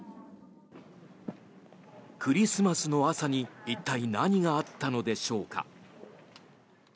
クリスマスの朝に一体、何があったのでしょうか。